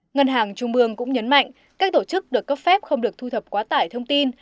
ngân hàng trung ương cũng nhấn mạnh các tổ chức được cấp phép không được thu thập quá tải thông tin